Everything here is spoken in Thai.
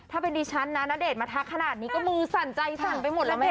ถ้าเป็นดิฉันนะณเดชนมาทักขนาดนี้ก็มือสั่นใจสั่นไปหมดแล้วแม่